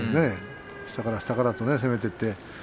下から下から攻めていってね。